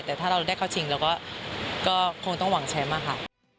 แต่ถ้าเราได้เข้าชิงเราก็คงต้องหวังแชมป์อะค่ะ